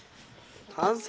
完成！